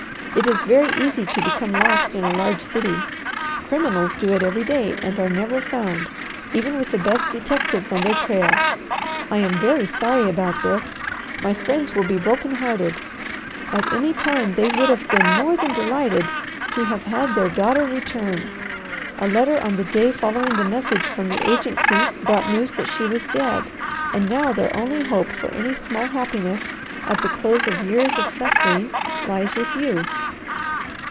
It is very easy to become lost in a large city. Criminals do it every day and are never found, even with the best detectives on their trail. I am very sorry about this. My friends will be broken hearted. At any time they would have been more than delighted to have had their daughter return. A letter on the day following the message from the agency brought news that she was dead, and now their only hope for any small happiness at the close of years of suffering lies with you.